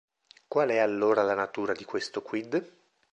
Qual è allora la natura di questo "quid"?